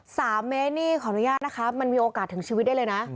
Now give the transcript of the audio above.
สามเมตรนี่ขออนุญาตนะคะมันมีโอกาสถึงชีวิตได้เลยนะ